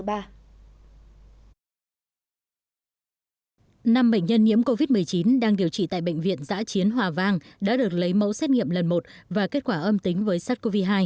năm bệnh nhân nhiễm covid một mươi chín đang điều trị tại bệnh viện giã chiến hòa vang đã được lấy mẫu xét nghiệm lần một và kết quả âm tính với sars cov hai